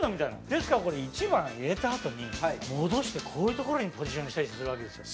ですからこれ１番入れたあとに戻してこういう所にポジショニングしたりするわけですよ。